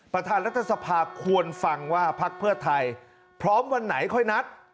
ประธานรัฐสภาควรฟังว่าพักเพื่อไทยพร้อมวันไหนค่อยนัด